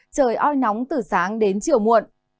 trời oi nóng từ sáng đến chiều muộn